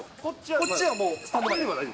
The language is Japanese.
こっちはもう、スタンドまで。